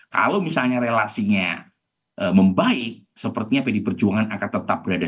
kalau misalnya relasinya membaik sepertinya pd perjuangan akan tetap berada